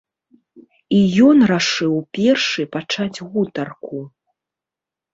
І ён рашыў першы пачаць гутарку.